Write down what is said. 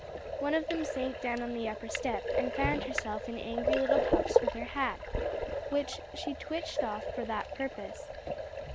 One of them sank down on the upper step, and fanned herself in angry little puffs with her hat, which she twitched off for that purpose.